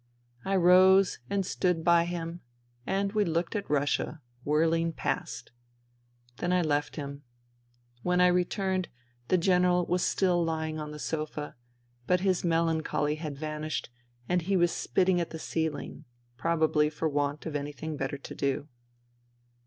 I rose and stood by him, and we looked at Russia, whirling past. Then I left him. When I returned, the General was still lying on the sofa, but his melancholy had vanished and he was spitting at the ceiling, probably for want of anything better to do.